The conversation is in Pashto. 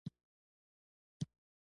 هغې وپوښتل ته ځې چې زه هم درځم.